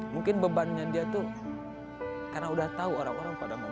mungkin beban dia itu karena sudah tahu orang orang pada memungkinkan